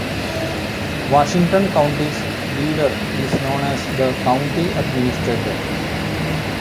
Washington County's "leader" is known as the County Administrator.